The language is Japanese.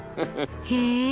へえ。